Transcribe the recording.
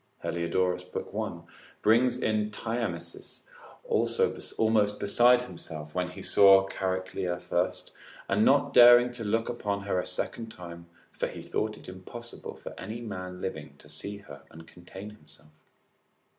4865]Heliodorus, lib. 1. brings in Thyamis almost besides himself, when he saw Chariclia first, and not daring to look upon her a second time, for he thought it impossible for any man living to see her and contain himself.